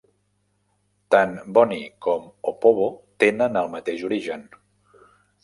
Tant Bonny com Opobo tenen el mateix origen.